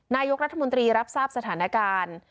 นายกรัฐมนตรีรับทราบสถานการณ์